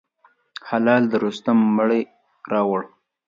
هلال د رستم مړی راووړ.